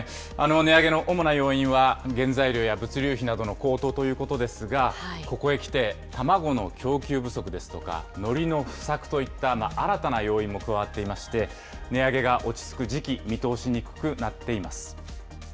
値上げの主な要因は原材料や物流費などの高騰ということですが、ここへきて、卵の供給不足ですとか、のりの不作といった新たな要因も加わっていまして、値上げが落ち着く時期、見通しにくくなっています。